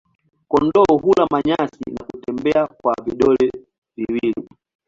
Kondoo hula manyasi na kutembea kwa vidole viwili.